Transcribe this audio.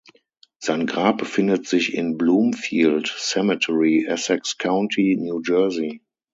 Sein Grab befindet sich im Bloomfield Cemetery, Essex County, New Jersey.